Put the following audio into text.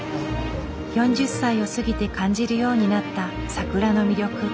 ４０歳を過ぎて感じるようになった桜の魅力。